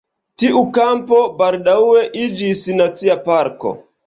Tiu kampo baldaŭe iĝis Nacia parko.